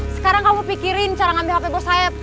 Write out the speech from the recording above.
sekarang kamu pikirin cara ngambil hp bos sayap